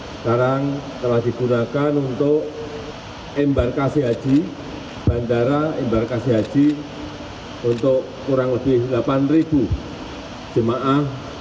sekarang telah digunakan untuk embarkasi haji bandara embarkasi haji untuk kurang lebih delapan jemaah